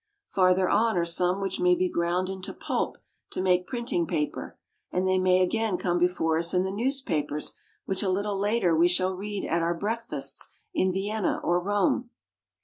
Farther on are some which may be Peasant Girls. i 7 8 SCANDINAVIA. ground into pulp to make printing paper, and they may again come before us in the newspapers which a little later we shall read at our breakfasts in Vienna or Rome.